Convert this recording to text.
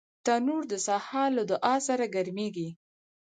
تنور د سهار له دعا سره ګرمېږي